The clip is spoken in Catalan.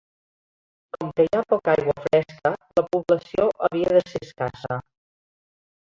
Com que hi ha poca aigua fresca, la població havia de ser escassa.